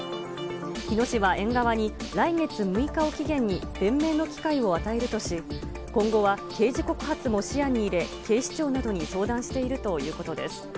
日野市は園側に来月６日を期限に弁明の機会を与えるとし、今後は刑事告発も視野に入れ、警視庁などに相談しているということです。